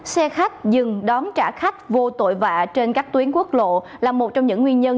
xe khách dừng đón trả khách vô tội vạ trên các tuyến quốc lộ là một trong những nguyên nhân